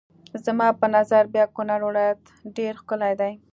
زما په نظر بیا کونړ ولایت ډېر ښکلی دی.